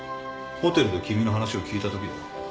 ホテルで君の話を聞いたときだよ。